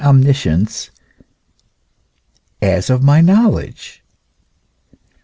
omniscience as of my knowledge.